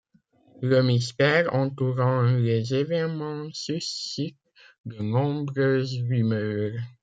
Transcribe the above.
Le mystère entourant les événements suscite de nombreuses rumeurs.